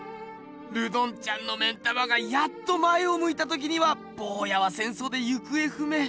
ルドンちゃんの目ん玉がやっと前をむいた時にはぼうやは戦争で行方不明。